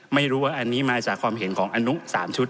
ไม่รู้ว่าอันนี้มาจากความเห็นของอนุ๓ชุด